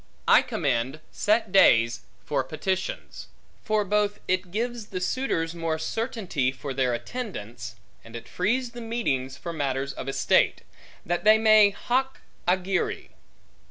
I commend set days for petitions; for both it gives the suitors more certainty for their attendance, and it frees the meetings for matters of estate, that they may hoc agere.